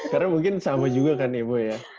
karena mungkin sama juga kan ibu ya